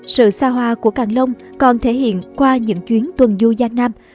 sự xa hoa của càng long còn thể hiện qua những chuyến tuần du gia nam